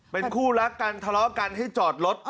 เป็นคู่รักกันทะเลาะกันให้จอดรถ